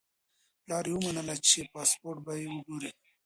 پلار یې ومنله چې پاسپورت به وګوري.